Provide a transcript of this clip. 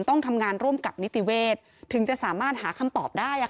ต้องทำงานร่วมกับนิติเวศถึงจะสามารถหาคำตอบได้